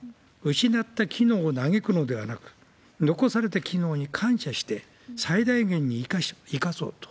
失った機能を嘆くのではなく、残された機能に感謝して、最大限に生かそうと。